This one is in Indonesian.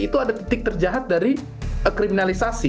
itu ada titik terjahat dari kriminalisasi